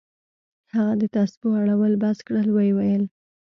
هغه د تسبو اړول بس كړل ويې ويل.